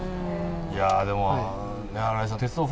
いやでも新井さん